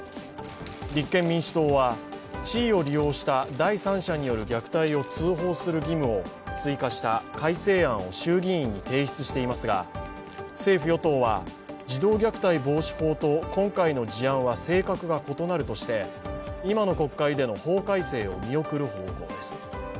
立憲民主党は地位を利用した第３者による虐待を通報する義務を追加した改正案を衆議院に提出していますが、政府・与党は児童虐待防止法と今回の事案は性格が異なるとして今の国会での法改正を見送る方向です。